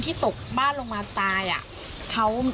ติดอยู่ค่ะ